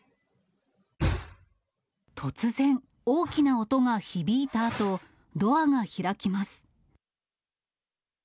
突然、大きな音が響いたあと、ドアが開きます。